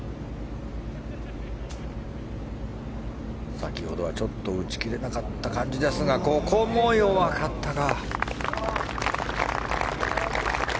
先ほどは打ち切れなかった感じですがここも弱かったか。